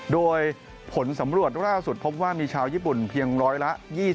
โดยผลสำรวจล่าสุดพบว่ามีชาวญี่ปุ่นเพียงร้อยละ๒๐